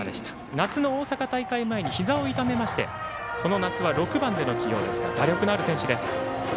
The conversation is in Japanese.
夏の大阪大会前にひざを痛めましてこの夏は６番での起用ですが打力のある選手です。